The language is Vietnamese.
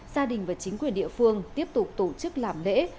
gia đình và chính quyền địa phương tiếp tục tổ chức làm lễ